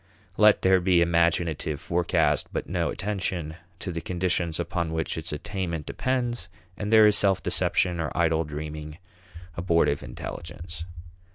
Let there be imaginative forecast but no attention to the conditions upon which its attainment depends, and there is self deception or idle dreaming abortive intelligence.